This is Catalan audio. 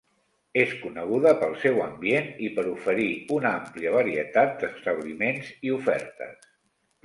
És coneguda pel seu ambient i per oferir una àmplia varietat d'establiments i ofertes.